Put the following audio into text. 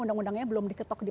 undang undangnya belum diketok di